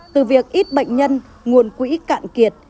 từ việc ít bệnh nhân nguồn quỹ cạn kiệt